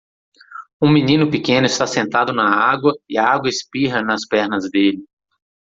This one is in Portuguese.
Um menino pequeno está sentado na água e a água espirra nas pernas dele.